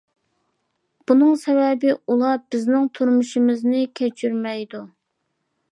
بۇنىڭ سەۋەبى، ئۇلار بىزنىڭ تۇرمۇشىمىزنى كەچۈرمەيدۇ.